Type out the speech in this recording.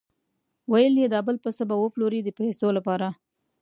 ویل یې دا بل پسه به وپلوري د پیسو لپاره.